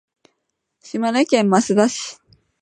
島根県益田市